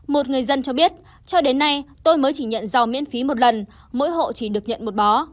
một người dân cho biết cho đến nay tôi mới chỉ nhận giò miễn phí một lần mỗi hộ chỉ được nhận một bó